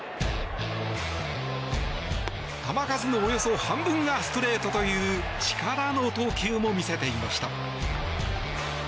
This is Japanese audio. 球数のおよそ半分がストレートという力の投球も見せていました。